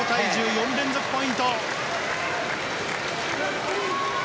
４連続ポイント。